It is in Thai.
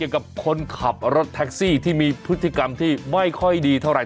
กับคนขับรถแท็กซี่ที่มีพฤติกรรมที่ไม่ค่อยดีเท่าไหร